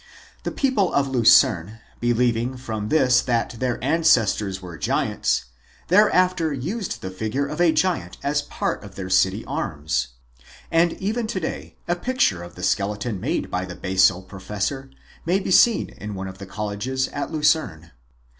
The people of Lucerne, believing from this that their ancestors were giants, thereafter used the figure of a giant as part of their city arms. And even to day a picture of the skeleton made by MAMMOTHS AND MASTODONS 115 the Basel professor may be seen in one of the colleges at Lucerne.